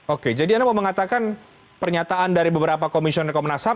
oke jadi anda mau mengatakan pernyataan dari beberapa komisioner komnas ham